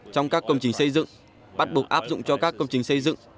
trong các công trình xây dựng bắt buộc áp dụng cho các công trình xây dựng